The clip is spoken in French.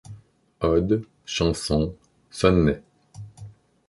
Odes, chansons, sonnets...